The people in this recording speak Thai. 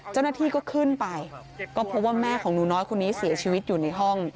เจ้าหน้าที่ก็ขึ้นไปก็พบว่าแม่ของหนูน้อยคนนี้เสียชีวิตอยู่ในห้อง